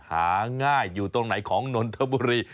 หาง่ายอยู่ตรงไหนของนนทบุรี